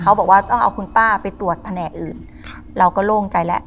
เขาบอกว่าต้องเอาคุณป้าไปตรวจแผนกอื่นเราก็โล่งใจแล้ว